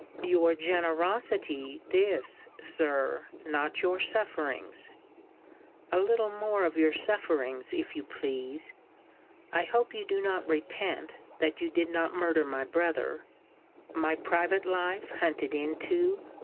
Your generosity THIS, Sir; not your sufferings: a little more of your sufferings, if you please! I hope you do not repent, that you did not murder my brother! My private life hunted into!